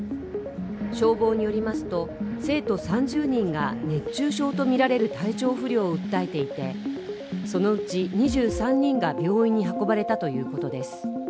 消防に寄りますと生徒３０人が熱中症とみられる体調不良を訴えていてそのうち２３人が病院に運ばれたということです。